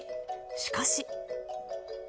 しかし。